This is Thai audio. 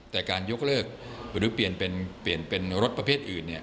แต่การยกเลิกหรือเปลี่ยนเป็นรถประเภทอื่น